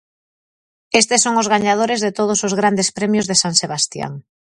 Estes son os gañadores de todos os grandes premios de San Sebastián.